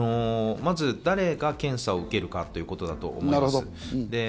まず、誰が検査を受けるかということだと思います。